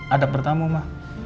adab bertamu ma